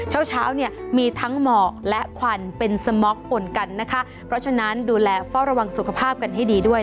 เช้าเช้าเนี่ยมีทั้งหมอกและควันเป็นสม็อกปนกันนะคะเพราะฉะนั้นดูแลเฝ้าระวังสุขภาพกันให้ดีด้วย